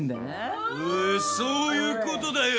えそういうことだよ。